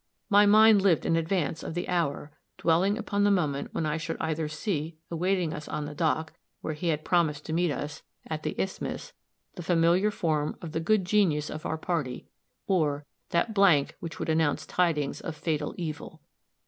My mind lived in advance of the hour, dwelling upon the moment when I should either see, awaiting us on the dock, where he had promised to meet us, at the isthmus, the familiar form of the good genius of our party, or that blank which would announce tidings of fatal evil.